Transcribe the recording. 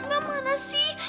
gak mana sih